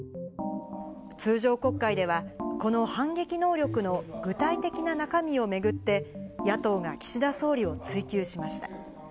通常国会では、この反撃能力の具体的な中身を巡って、野党が岸田総理を追及しま